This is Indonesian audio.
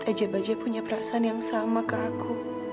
sikit aja bajah punya perasaan yang sama ke aku